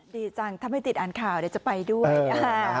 ดีจังทำให้ติดอ่านข่าวจะไปด้วย